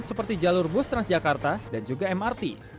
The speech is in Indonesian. seperti jalur bus transjakarta dan juga mrt